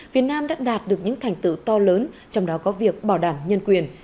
việt nam đã đạt được những thành tựu to lớn trong đó có việc bảo đảm nhân quyền